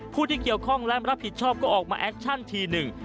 ผู้ที่เกี่ยวข้องและรับผิดชอบก็ออกมาแอคชั่นทีหนึ่ง